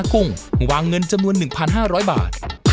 ของอันตรา